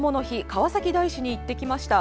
川崎大師に行ってきました。